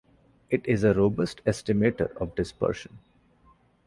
It is a robust estimator of dispersion.